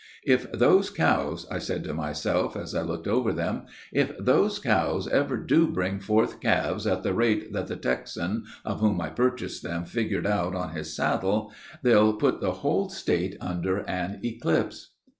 'If those cows,' I said to myself as I looked them over, 'if those cows ever do bring forth calves at the rate that the Texan of whom I purchased them figured out on his saddle, they'll put the whole State under an eclipse.'